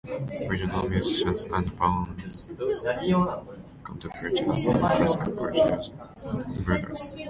Regional musicians and bands come to play jazz and classic bluegrass.